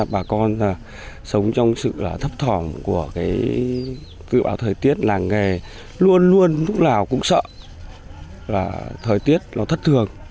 bà con sống trong sự thấp thỏm của cái cựu thời tiết làng nghề luôn luôn lúc nào cũng sợ là thời tiết nó thất thường